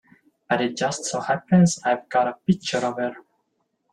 But it just so happens I've got a picture of her.